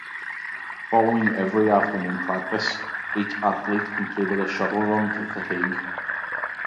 Following every afternoon practice, each athlete completed a shuttle run to fatigue.